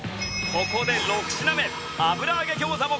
ここで６品目油揚げ餃子も完成！